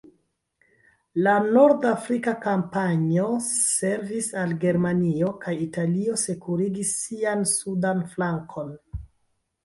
La Nord-Afrika kampanjo servis al Germanio kaj Italio sekurigi sian sudan flankon.